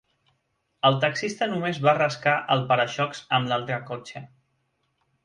El taxista només va rascar el para-xocs amb l'altre cotxe.